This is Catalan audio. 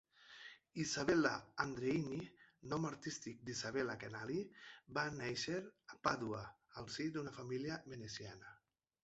Isabella Andreini, nom artístic d'Isabella Canali, va néixer a Pàdua al si d'una família veneciana.